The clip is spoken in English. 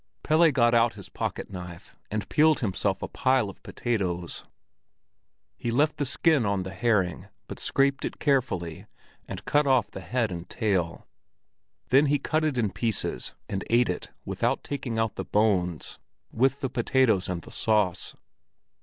Pelle got out his pocket knife and peeled himself a pile of potatoes. He left the skin on the herring, but scraped it carefully and cut off the head and tail; then he cut it in pieces and ate it without taking out the bones, with the potatoes and the sauce.